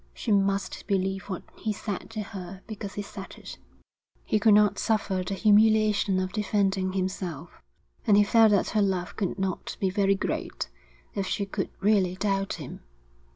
She must believe what he said to her because he said it. He could not suffer the humiliation of defending himself, and he felt that her love could not be very great if she could really doubt him.